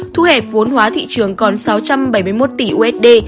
thu hẹp vốn hóa thị trường còn sáu trăm bảy mươi một tỷ usd